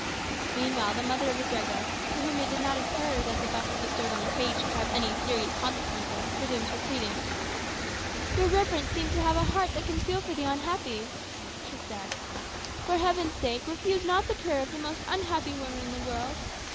Meanwhile the mother of Abrego, to whom it did not occur that the buffet bestowed on the page could have any serious consequences, resumed her pleadings. "Your reverence seems to have a heart that can feel for the unhappy," she said. "For Heaven's sake refuse not the prayer of the most unhappy woman in the world.